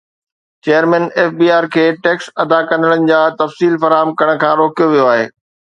chairman F B R کي tax ادا ڪندڙن جا تفصيل فراهم ڪرڻ کان روڪيو ويو آهي